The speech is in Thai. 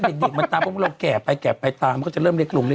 หวย๓ตัวยังไงสรุปพี่มาหรือไม่มานะ